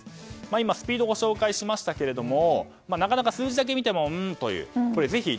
今、スピードをご紹介しましたがなかなか数字だけ見てもんという。